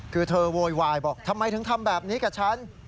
คือเธอโวยวายบอกทำไมถึงทำแบบนี้กับฉัน